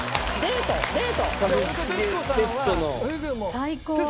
最高！